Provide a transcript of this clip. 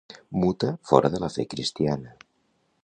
Muta fora de la fe cristiana.